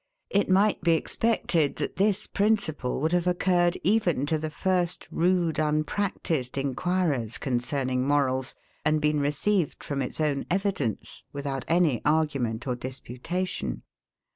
It might be expected that this principle would have occurred even to the first rude, unpractised enquirers concerning morals, and been received from its own evidence, without any argument or disputation.